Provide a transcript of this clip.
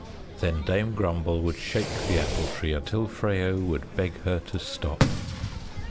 Then Dame Grumble would shake the Apple Tree until Freyo would beg her to stop.